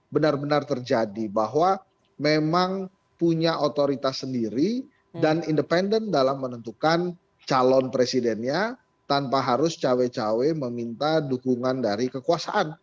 benar benar terjadi bahwa memang punya otoritas sendiri dan independen dalam menentukan calon presidennya tanpa harus cawe cawe meminta dukungan dari kekuasaan